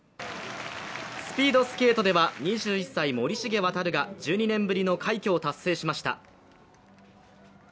スピードスケートでは、２１歳、森重航が１２年ぶりの快挙を達成しました。